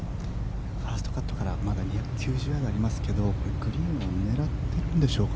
ファーストカットから２９０ヤードありますけどグリーンを狙っているんでしょうか